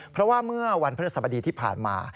เพราะว่าเมื่อวันพระสบดีที่ผ่านมา